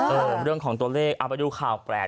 เรื่องของตัวเลขเอาไปดูข่าวแปลก